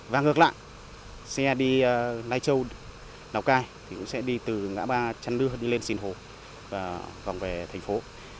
và ngược lại xe đi lai châu đào cai thì nó sẽ đi từ ngã ba trần đưa lên sìn hồ và vòng về thành phố